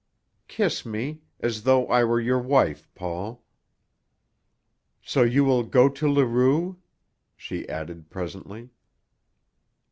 Kiss me as though I were your wife, Paul. "So you will go to Leroux?" she added presently.